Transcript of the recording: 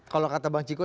kalau kata bang ciko